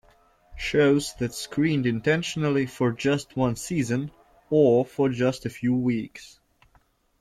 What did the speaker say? Shows that screened intentionally for just one season or for just a few weeks.